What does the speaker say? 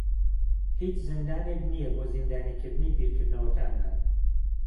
هیچ زیندانێک نییە بۆ زیندانیکردنی بیرکردنەوەکانمان.